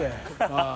ああ。